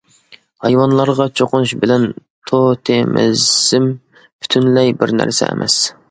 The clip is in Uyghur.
ھايۋانلارغا چوقۇنۇش بىلەن توتېمىزم پۈتۈنلەي بىر نەرسە ئەمەس.